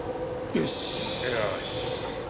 よし！